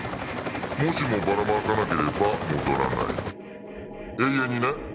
「もしもバラ撒かなければ戻らない」永遠にね。